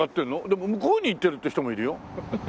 でも向こうに行ってるって人もいるよ。